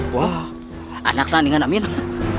wah anak nandingan aminah